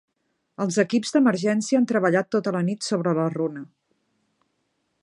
Els equips d’emergència han treballat tota la nit sobre la runa.